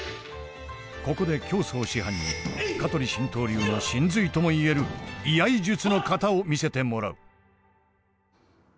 ここで京増師範に香取神道流の神髄ともいえる居合術の型を見せてもらう。